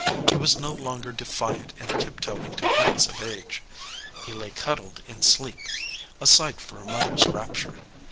He was no longer defiant and tiptoeing to heights of age. He lay cuddled in sleep, a sight for a mother s rapture.